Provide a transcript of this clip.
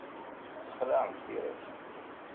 Ssexlaɛent tira-k.